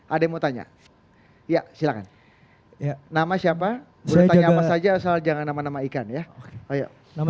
ada yang mau tanya ya silahkan nama siapa